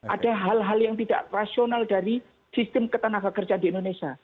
ada hal hal yang tidak rasional dari sistem ketenaga kerjaan di indonesia